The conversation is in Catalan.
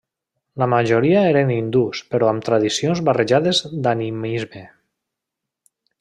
La majoria eren hindús però amb tradicions barrejades d'animisme.